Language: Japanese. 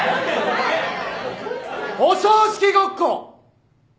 お葬式ごっこ！